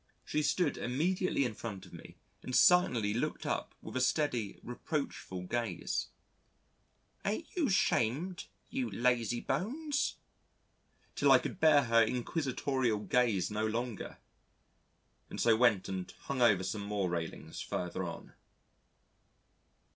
She stood immediately in front of me and silently looked up with a steady reproachful gaze: "Ain't you 'shamed, you lazy bones?" till I could bear her inquisitorial gaze no longer, and so went and hung over some more railings further on.